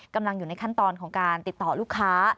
กำลังอยู่ในขั้นตอนของการติดต่อลูกค้า